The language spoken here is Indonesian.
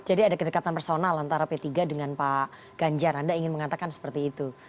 jadi ada kedekatan personal antara p tiga dengan pak ganjar anda ingin mengatakan seperti itu